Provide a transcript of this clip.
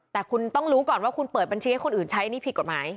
แต่คุณต้องรู้ก่อนว่าคุณเปิดบัญชีให้คนอื่นใช้นี่ผิดกฎหมาย